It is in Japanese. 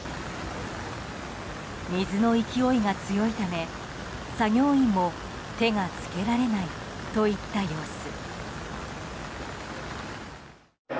水の勢いが強いため作業員も手が付けられないといった様子。